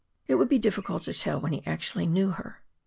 It would be difficult to tell when he actually knew her.